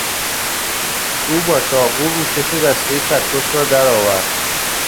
او با چاقو روکش دستهی چکش را ور آورد.